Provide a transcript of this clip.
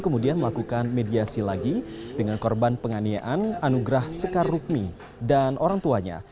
kemudian melakukan mediasi lagi dengan korban penganiayaan anugrah sekar rukmi dan orang tuanya